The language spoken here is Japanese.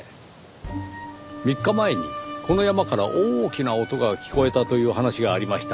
３日前にこの山から大きな音が聞こえたという話がありました。